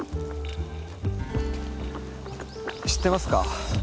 知ってますか？